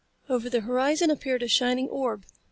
Over the horizon appeared a shining orb.